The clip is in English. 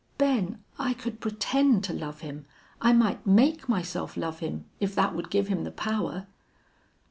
"Ben, I could pretend to love him I might make myself love him, if that would give him the power."